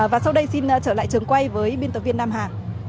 và sau đây xin trở lại trường quay với biên tập viên nam hà